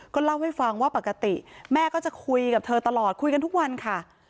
เล่าให้ฟังว่าปกติแม่ก็จะคุยกับเธอตลอดคุยกันทุกวันค่ะ